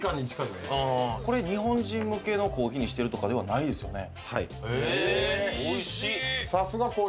日本人向けのコーヒーにしてるとかではないですよね。